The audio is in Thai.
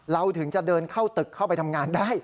เราถึงจะเดินเข้าตึกเข้าไปทำงานได้